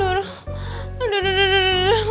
aduh aduh aduh aduh aduh aduh